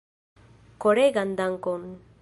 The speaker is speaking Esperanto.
Koregan dankon!